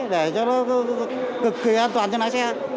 để cho nó cực kỳ an toàn cho lái xe